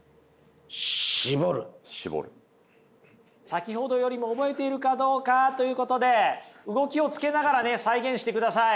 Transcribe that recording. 先ほどよりも覚えているかどうかということで動きをつけながらね再現してください。